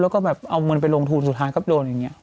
แล้วก็เอาเงินไปลงทูมสุดท้ายครับโดนอย่างนี้